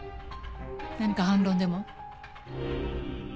何か反論でも？